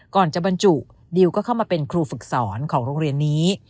ก่อนจะบรรจุดิวก็เข้ามาเป็นครูฝึกสอนของโรงเรียนนี้